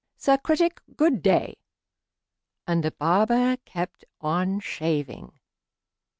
Sir Critic, good day!" And the barber kept on shaving.